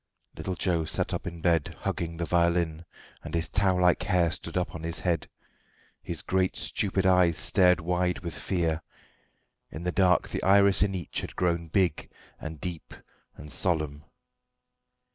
Little Joe sat up in bed, hugging the violin, and his tow like hair stood up on his head. His great stupid eyes stared wide with fear; in the dark the iris in each had grown big, and deep, and solemn.